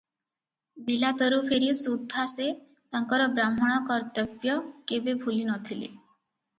ବିଲାତରୁ ଫେରି ସୁଦ୍ଧା ସେ ତାଙ୍କର ବ୍ରାହ୍ମଣ କର୍ତ୍ତବ୍ୟ କେବେ ଭୁଲି ନ ଥିଲେ ।